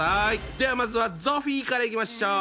ではまずはゾフィーからいきましょう！